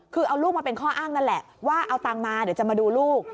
คือเอาลูกมาเป็นข้ออ้างนั่นแหละว่าเอาตังค์มาเดี๋ยวจะมาดูลูก